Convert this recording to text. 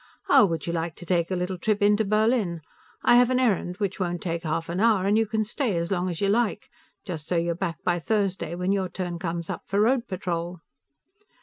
"How would you like to take a little trip in to Berlin? I have an errand, which won't take half an hour, and you can stay as long as you like, just so you're back by Thursday, when your turn comes up for road patrol."